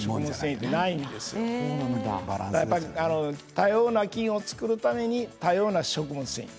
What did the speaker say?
多様な菌を作るために多様な食物繊維。